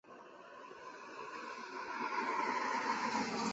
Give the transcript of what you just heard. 欧塞奇镇区为位在美国堪萨斯州克劳福德县的镇区。